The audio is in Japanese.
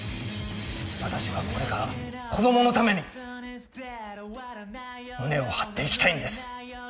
私はこれから子供のために胸を張って生きたいんです。